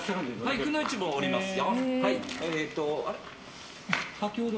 くのいちもおりますよ。